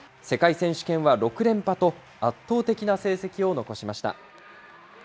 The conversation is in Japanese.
世界選手権は６連覇と、圧倒的な成績を残しました。